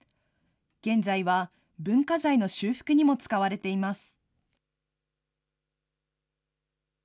現在は文化財の修復にも使われています。